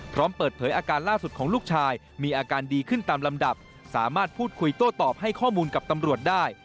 พร้อมเปิดเผยอาการล่าสุดของลูกชายมีอาการดีขึ้นตามลำดับสามารถพูดคุยโต้ตอบให้ข้อมูลกับตำรวจได้